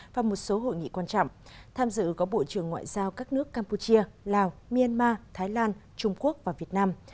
và một số hội nghị quan trọng tham dự có bộ trưởng ngoại giao các nước campuchia lào myanmar thái lan trung quốc và việt nam